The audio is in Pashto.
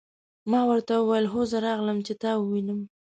ما ورته وویل: هو زه راغلم، چې ته ووینم.